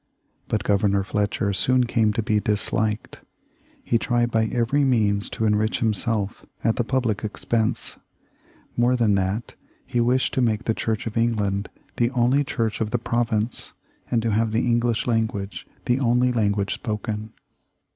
But Governor Fletcher soon came to be disliked. He tried by every means to enrich himself at the public expense. More than that, he wished to make the Church of England the only church of the province, and to have the English language the only language spoken.